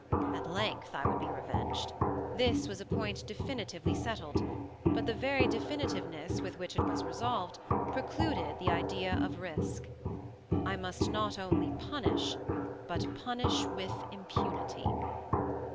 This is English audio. At length I would be avenged; this was a point definitively settled—but the very definitiveness with which it was resolved, precluded the idea of risk. I must not only punish, but punish with impunity.